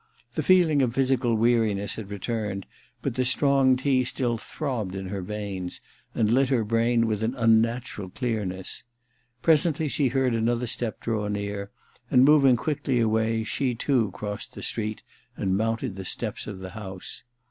The feeling of physical weariness had returned,, but the strong tea still throbbed in her veins and lit her brain with an unnatural clearness. Presently she heard another step draw near, and moving quickly away, she too crossed the street and mounted the steps of the house.